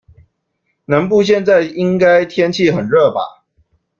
南部現在應該天氣很熱吧？